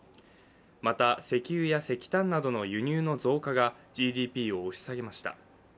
また石油や石炭などの輸入の増加がＧＤＰを押し下げました。